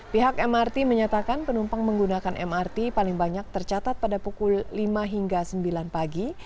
pihak mrt menyatakan penumpang menggunakan mrt paling banyak tercatat pada pukul lima hingga sembilan pagi